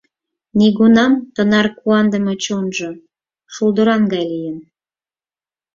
Нигунам тынар куаныдыме чонжо шулдыран гай лийын.